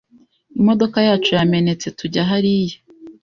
Imodoka yacu yamenetse tujya hariya.